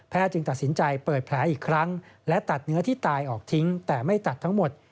จึงตัดสินใจเปิดแผลอีกครั้งและตัดเนื้อที่ตายออกทิ้งแต่ไม่ตัดทั้งหมด